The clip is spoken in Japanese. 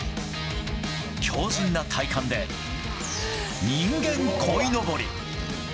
強じんな体幹で、人間こいのぼり。